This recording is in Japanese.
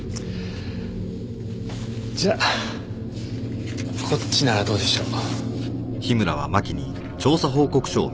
じゃあこっちならどうでしょう？